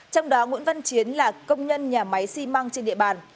trong đó nguyễn văn chiến là công nhân nhà máy xi măng trên địa bàn